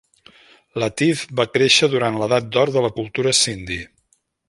Latif va créixer durant l'edat d'or de la cultura Sindhi.